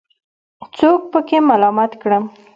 څوک پکې ملامت کړم.